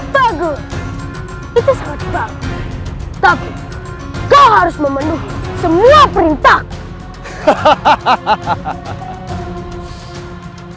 bagus itu sangat bagus tapi kau harus memenuhi semua perintahku